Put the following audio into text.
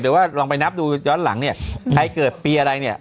หรือว่าลองไปนับดูย้อนหลังเนี่ยใครเกิดปีอะไรเนี่ย